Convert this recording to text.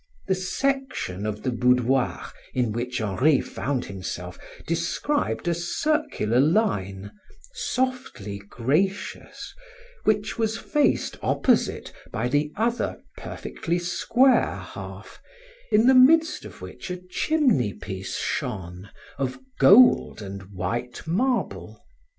The section of the boudoir in which Henri found himself described a circular line, softly gracious, which was faced opposite by the other perfectly square half, in the midst of which a chimney piece shone of gold and white marble.